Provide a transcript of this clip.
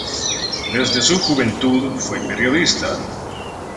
Desde su juventud fue periodista.